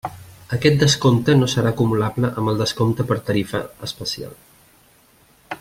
Aquest descompte no serà acumulable amb el descompte per tarifa especial.